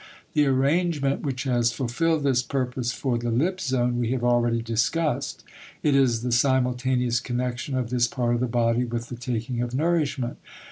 The arrangement which has fulfilled this purpose for the lip zone we have already discussed; it is the simultaneous connection of this part of the body with the taking of nourishment.